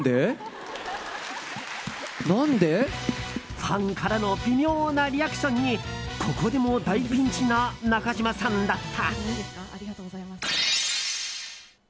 ファンからの微妙なリアクションにここでも大ピンチな中島さんだった。